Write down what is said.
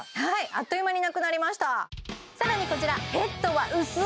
あっという間になくなりました